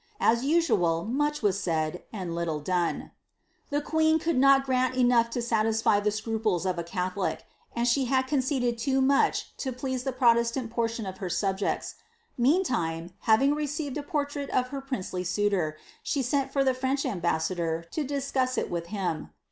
As usual much was said, and little done. The que could not grant enough to satisfy the scruples of a catholic ; and t had conceded too much to please the protesuini portion of her subjet Meantime, having received a portrait of her princelv suitor, she sent the French ambassador, to discuss it with him.